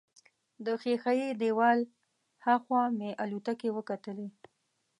د ښیښه یي دیوال هاخوا مې الوتکې وکتلې.